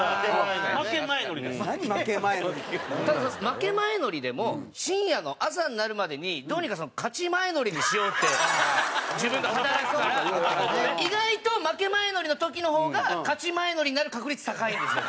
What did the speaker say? ただ負け前乗りでも深夜の朝になるまでにどうにか勝ち前乗りにしようって自分が働くから意外と負け前乗りの時の方が勝ち前乗りになる確率高いんですよね。